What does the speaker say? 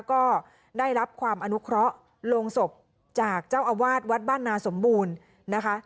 ก็ได้รับความอนุเคราะห์ลงศพจากเจ้าอาวาสวัดบ้านนาสมบูรณ์นะคะ